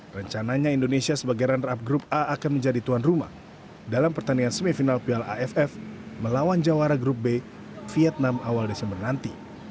rencananya indonesia sebagai runner up grup a akan menjadi tuan rumah dalam pertandingan semifinal piala aff melawan jawara grup b vietnam awal desember nanti